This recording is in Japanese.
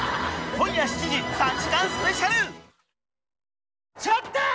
今夜７時、３時間スペシャル。